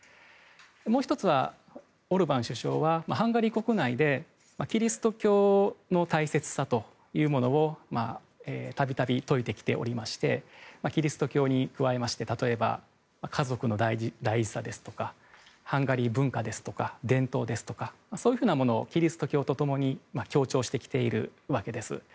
もう１つは、オルバン首相はハンガリー国内でキリスト教の大切さというものを度々、説いてきておりましてキリスト教に加えまして例えば家族の大事さですとかハンガリー文化ですとか伝統ですとかそういうふうなものをキリスト教徒ともに強調してきているわけです。